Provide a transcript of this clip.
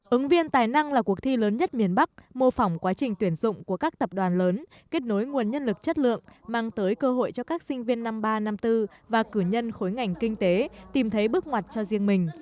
ứng viên tài năng là cuộc thi lớn nhất miền bắc mô phỏng quá trình tuyển dụng của các tập đoàn lớn kết nối nguồn nhân lực chất lượng mang tới cơ hội cho các sinh viên năm ba năm bốn và cử nhân khối ngành kinh tế tìm thấy bước ngoặt cho riêng mình